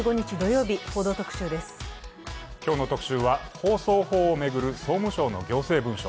今日の「特集」は放送法を巡る法務省の行政文書。